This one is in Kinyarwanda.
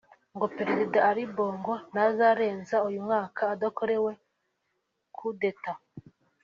ngo Perezida Ali Bongo ntazarenza uyu mwaka adakorewe Coup d’Etat